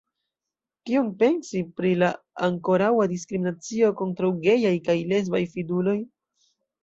Kion pensi pri la ankoraŭa diskriminacio kontraŭ gejaj kaj lesbaj fiduloj?